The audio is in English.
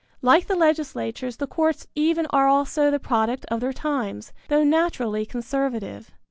Like the legislatures the courts even are also the product of their times, though naturally conservative.